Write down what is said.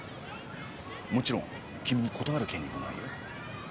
もちろん君に断る権利もないよ。